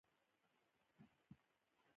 د چاپ او خپرندویه ټولنو کارونه د ستایلو دي.